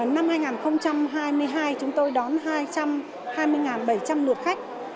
năm hai nghìn hai mươi hai chúng tôi đón hai trăm hai mươi bảy trăm linh lượt khách